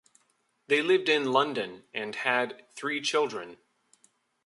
They lived in London, and had three children.